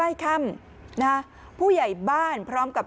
หญิงบอกว่าจะเป็นพี่ปวกหญิงบอกว่าจะเป็นพี่ปวก